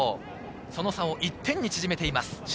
その差を１点に縮めています。